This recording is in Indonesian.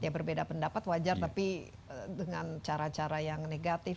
ya berbeda pendapat wajar tapi dengan cara cara yang negatif